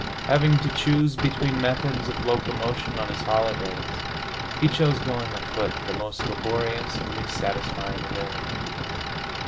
Having to choose between methods of locomotion on his holidays, he chose going afoot, the most laborious and least satisfying available.